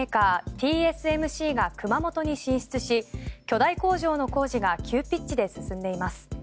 ＴＳＭＣが熊本に進出し巨大工場の工事が急ピッチで進んでいます。